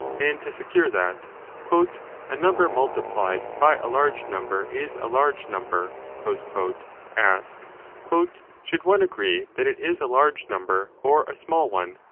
and to secure that A number multiplied by a large number is a large number , ask Should one agree that it is a large number or a small one